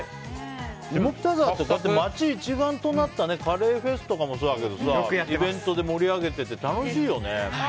下北沢って、街一丸となったカレーフェスとかもそうだけどイベントで盛り上げてて楽しいよね。